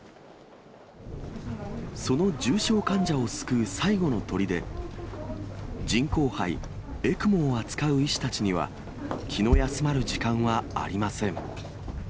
その重症患者を救う最後のとりで、人工肺・ＥＣＭＯを扱う医師たちには、気の休まる時間はありません。